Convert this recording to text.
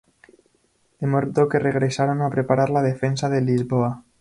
De modo que regresaron a preparar la defensa de Lisboa.